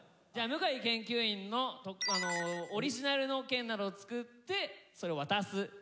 じゃあ向井研究員のオリジナルの券など作ってそれを渡す。